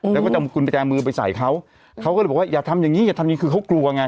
แล้วก็จะเอากุญแจมือไปใส่เขาเขาก็เลยบอกว่าอย่าทำอย่างงีอย่าทำอย่างนี้คือเขากลัวไง